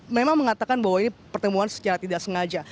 memang mengatakan bahwa ini pertemuan secara tidak sengaja